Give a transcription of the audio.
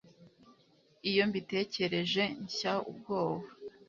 iyo mbitekereje, nshya ubwoba